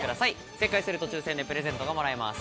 正解すると抽選でプレゼントがもらえます。